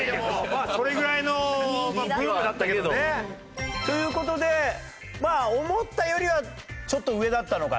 まあそれぐらいのグループだったけどね。という事でまあ思ったよりはちょっと上だったのかな？